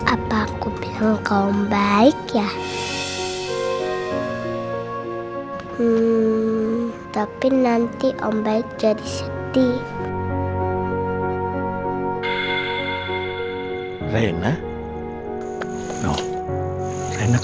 apa aku bilang kau baik ya